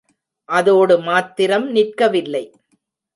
அதோடு மாத்திரம் நிற்கவில்லை.